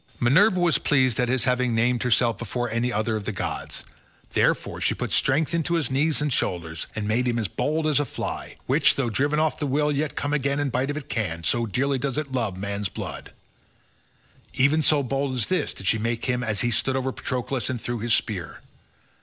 Minerva was pleased at his having named herself before any of the other gods. Therefore she put strength into his knees and shoulders, and made him as bold as a fly, which, though driven off will yet come again and bite if it can, so dearly does it love man's blood—even so bold as this did she make him as he stood over Patroclus and threw his spear.